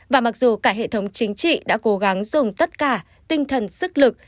và mặc dù cả hệ thống chính trị đã cố gắng dùng tất cả tinh thần sức lực